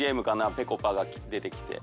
ぺこぱが出てきて。